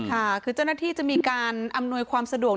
ค่ะคือเจ้าหน้าที่จะมีการอำนวยความสะดวก